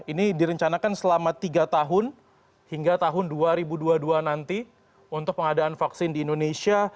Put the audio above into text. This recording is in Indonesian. ini direncanakan selama tiga tahun hingga tahun dua ribu dua puluh dua nanti untuk pengadaan vaksin di indonesia